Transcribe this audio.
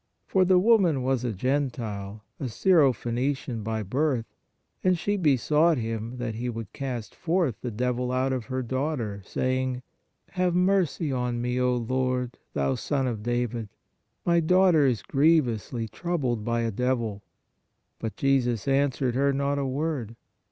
For the woman was a Gentile, a Syro phenician by birth, and she besought Him that He would cast forth the devil out of her daughter, saying: Have mercy on me, O Lord, Thou Son of David; my daughter is grievously troubled by a devil. But Jesus answered her not a word.